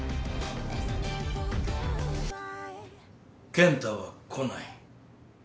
健太は来ない。